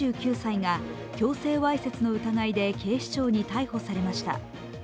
２９歳が強制わいせつの疑いで警視庁に逮捕されました。